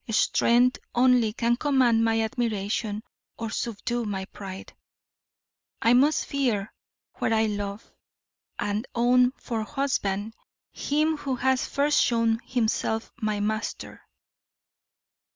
Strength only can command my admiration or subdue my pride. I must fear where I love, and own for husband him who has first shown himself my master.